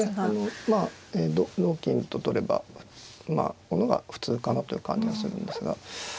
まあ同金と取ればまあこの方が普通かなという感じがするんですが。